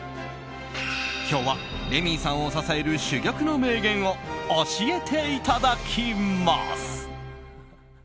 今日はレミイさんを支える珠玉の名言を教えていただきます。